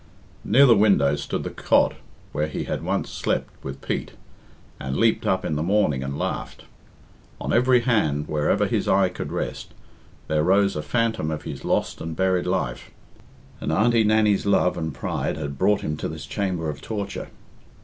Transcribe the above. Near the window stood the cot where he had once slept with Pete, and leaped up in the morning and laughed. On every hand, wherever his eye could rest, there rose a phantom of his lost and buried life. And Auntie Nannie's love and pride had brought him to this chamber of torture!